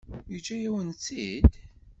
Yeǧǧa-yawen-tt-id?